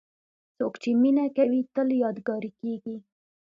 څوک چې مینه کوي، تل یادګاري کېږي.